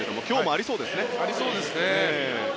ありそうですね。